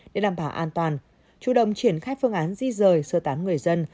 để đảm bảo an toàn chủ động triển khai phương án di rời sơ tán người dân